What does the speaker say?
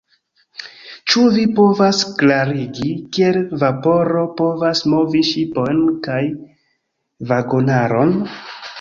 Ĉu vi povas klarigi, kiel vaporo povas movi ŝipojn kaj vagonaron?